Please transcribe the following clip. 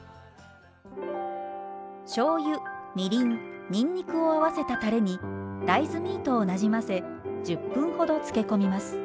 しょうゆみりんにんにくを合わせたたれに大豆ミートをなじませ１０分ほどつけ込みます。